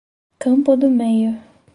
Campo do Meio